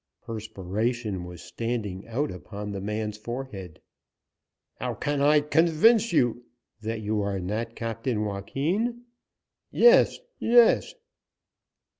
Perspiration was standing out upon the man's forehead. "How can I convince you " "That you are not Captain Joaquin?" "Yes, yes."